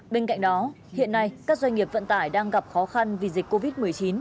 bên cạnh đó hiện nay các doanh nghiệp vận tải đang gặp khó khăn vì dịch covid một mươi chín